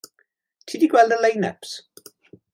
Ti 'di gweld y lein-yps?